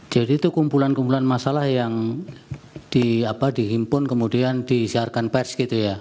jadi itu kumpulan kumpulan masalah yang dihimpun kemudian disiarkan pers gitu ya